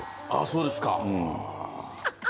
そうですか。